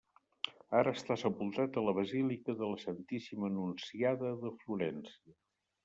Ara està sepultat a la basílica de la Santíssima Anunciada de Florència.